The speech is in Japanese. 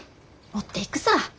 持っていくさ。